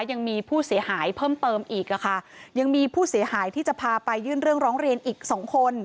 ยังมีผู้เสียหายเพิ่มเติมอีกอ่ะค่ะยังมีผู้เสียหายที่จะพาไปยื่นเรื่องร้องเรียนอีกสองคน